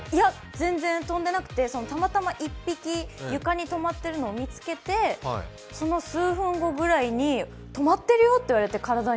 全然飛んでなくて、たまたま１匹床に止まっているのを見つけてその数分後くらいに体にとまってるよって言われて。